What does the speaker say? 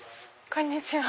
こんにちは。